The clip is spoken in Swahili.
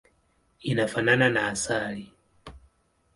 Inafanana na asali.